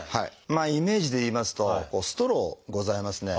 イメージで言いますとストローございますね